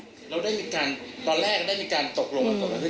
เราได้มีการตอนแรกได้มีการตกลงอืม